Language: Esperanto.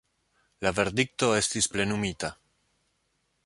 La verdikto estis plenumita.